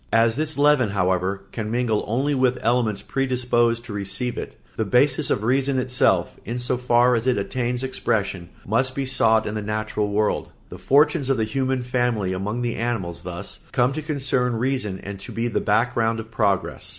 As this leaven, however, can mingle only with elements predisposed to receive it, the basis of reason itself, in so far as it attains expression, must be sought in the natural world. The fortunes of the human family among the animals thus come to concern reason and to be the background of progress.